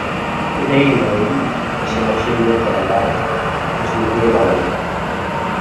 Li deien a ell que si la gent no treballara, es viuria malament.